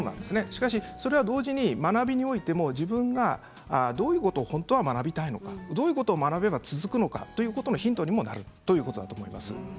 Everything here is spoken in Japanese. しかし、それは同時に学びにおいても自分がどういうことを本当は学びたいのかどういうことを学べば続くのかということがヒントにもなるということだと思います。